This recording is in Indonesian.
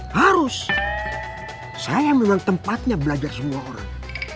harus saya memang tempatnya belajar semua orang